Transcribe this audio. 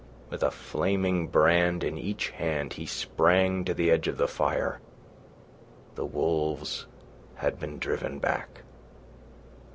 With a flaming brand in each hand, he sprang to the edge of the fire. The wolves had been driven back.